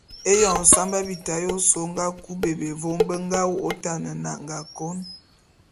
Éyoñ nsamba bita ya ôsu ô nga kui bebé vôm be nga wô’ôtan nnanga kôn.